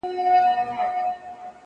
له حملو د غلیمانو له ستمه؛